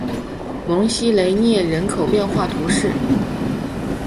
蒙西雷涅人口变化图示